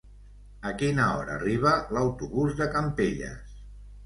A quina hora arriba l'autobús de Campelles?